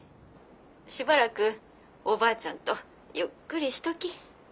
しばらくおばあちゃんとゆっくりしとき。